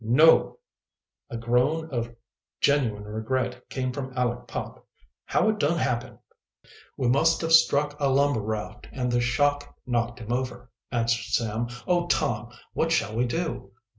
"No!" A groan of genuine regret came from Aleck Pop. "How it dun happen?" "We must have struck a lumber raft and the shock knocked him over," answered Sam. "Oh, Tom, what shall we do?"